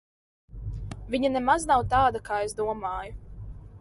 Viņa nemaz nav tāda, kā es domāju.